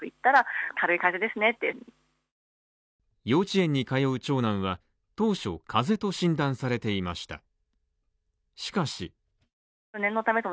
幼稚園に通う長男は当初風邪と診断されていました。